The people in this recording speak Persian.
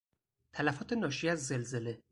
تلفات ناشی از زلزله